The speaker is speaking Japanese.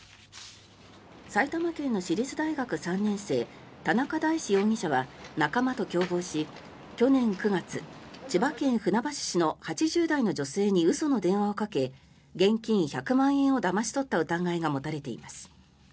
埼玉県の私立大学３年生田中大志容疑者は仲間と共謀し、去年９月千葉県船橋市の８０代の女性に嘘の電話をかけ現金１００万円をだまし取った疑いが持たれています。